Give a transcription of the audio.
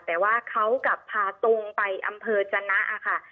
แต่ว่าเขากลับพาตรงไปอำเภอจนะค่ะ